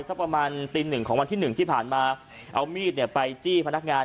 สักประมาณตีหนึ่งของวันที่หนึ่งที่ผ่านมาเอามีดเนี่ยไปจี้พนักงาน